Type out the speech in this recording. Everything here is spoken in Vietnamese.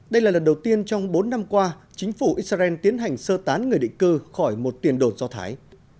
đây là lần đầu tiên trong bốn năm qua chính phủ israel tiến hành sơ tán người định cư khỏi một tiền đồn do thái